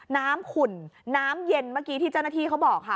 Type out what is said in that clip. น้ำขุ่นน้ำเย็นเมื่อกี้ที่เจ้าหน้าที่เขาบอกค่ะ